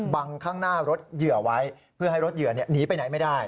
ข้างหน้ารถเหยื่อไว้เพื่อให้รถเหยื่อหนีไปไหนไม่ได้